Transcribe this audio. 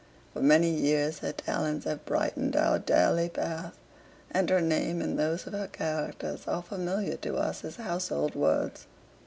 For many years her talents have brightened our daily path, and her name and those of her characters are familiar to us as "household words."